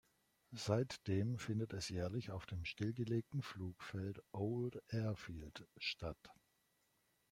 Seitdem findet es jährlich auf dem stillgelegten Flugfeld "Old Airfield" statt.